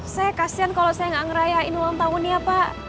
saya kasihan kalau saya gak ngerayain ulang tahun ya pak